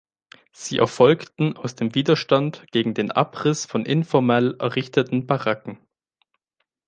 Sie erfolgten aus dem Widerstand gegen den Abriss von informell errichteten Baracken.